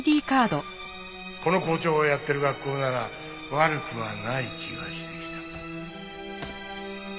この校長がやってる学校なら悪くはない気がしてきた。